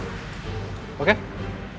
tunjukkan fotonya sama sayang